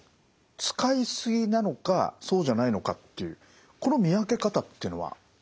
使いすぎなのかそうじゃないのかというこの見分け方というのはあるんですか？